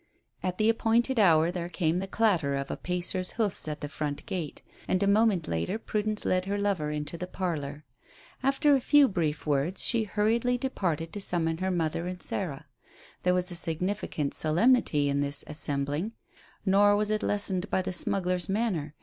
At the appointed hour there came the clatter of a pacer's hoofs at the front gate, and a moment later Prudence led her lover into the parlour. After a few brief words she hurriedly departed to summon her mother and Sarah. There was a significant solemnity in this assembling; nor was it lessened by the smuggler's manner.